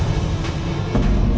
tidak ada satu